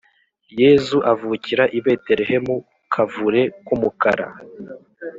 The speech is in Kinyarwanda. yezu avukira i betelehemu kavure kumukara